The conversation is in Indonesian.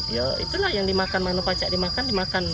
ya itulah yang dimakan mano pancak dimakan dimakan